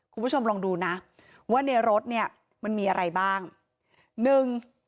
คุณผู้ชมลองดูนะว่าในรถมันมีอะไรบ้าง